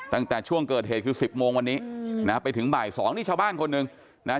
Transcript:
ตั้งแต่ช่วงเกิดเหตุคือสิบโมงวันนี้นะฮะไปถึงบ่ายสองนี่ชาวบ้านคนหนึ่งนะฮะ